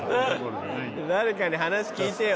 誰かに話聞いてよ。